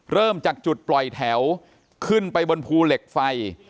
เริ่มจากจุดปล่อยแถวขึ้นไปบนภูเหล็กไฟ